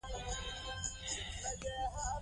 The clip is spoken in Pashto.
لیکوال د خپل عمر ډېره برخه په دې کار کې تېره کړې.